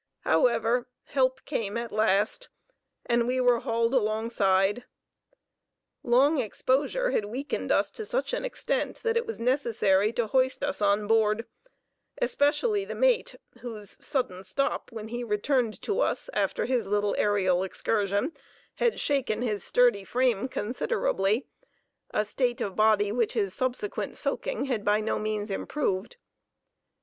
However, help came at last, and we were hauled alongside. Long exposure had weakened us to such an extent that it was necessary to hoist us on board, especially the mate, whose "sudden stop," when he returned to us after his little aërial excursion, had shaken his sturdy frame considerably, a state of body which the subsequent soaking had by no means improved.